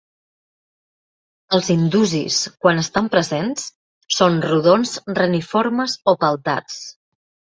Els indusis, quan estan presents, són rodons-reniformes o peltats.